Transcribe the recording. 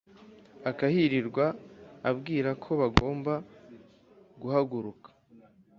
akahirirwa abwira ko bagomba guháguruka